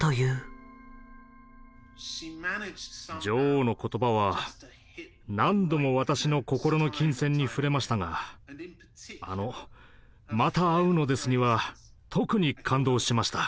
女王の言葉は何度も私の心の琴線に触れましたがあの「また会うのです」には特に感動しました。